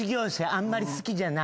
あんまり好きじゃないわ。